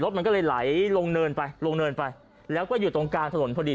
มันก็เลยไหลลงเนินไปลงเนินไปแล้วก็อยู่ตรงกลางถนนพอดี